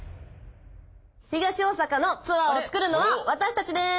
東大阪のツアーを作るのは私たちです！